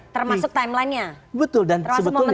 termasuk timelinenya termasuk memutus pengumumannya